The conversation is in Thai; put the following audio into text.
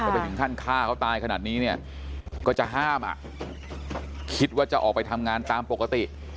ไปถึงขั้นฆ่าเขาตายขนาดนี้เนี่ยก็จะห้ามอ่ะคิดว่าจะออกไปทำงานตามปกติ